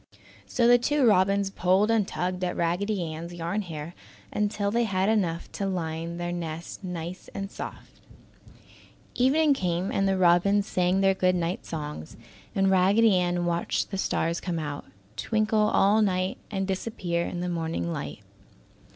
So the two robins pulled and tugged at Raggedy Ann's yarn hair until they had enough to line their nest nice and soft. Evening came and the robins sang their good night songs, and Raggedy Ann watched the stars come out, twinkle all night and disappear in the morning light.